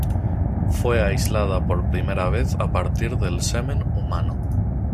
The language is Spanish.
Fue aislada por primera vez a partir del semen humano.